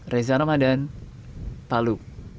reza ramadan palu